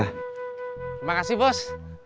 terima kasih bos